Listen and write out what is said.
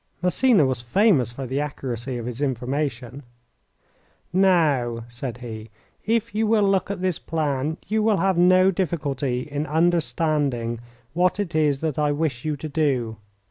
Massena was famous for the accuracy of his information. "Now," said he, "if you will look at this plan you will have no difficulty in understanding what it is that I wish you to do.